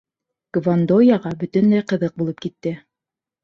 Гвандояға бөтөнләй ҡыҙыҡ булып китте.